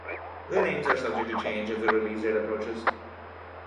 The names are subject to change as their release date approaches.